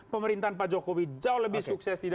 pemerintahan pak jokowi jauh lebih sukses tidak